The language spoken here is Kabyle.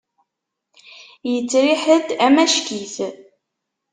Yettriḥ-d amack-it.